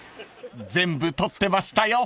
［全部撮ってましたよ］